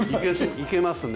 いけますね